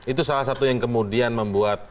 itu salah satu yang kemudian membuat